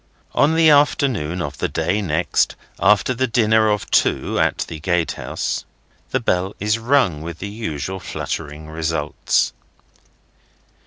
On the afternoon of the day next after the dinner of two at the gatehouse, the bell is rung with the usual fluttering results.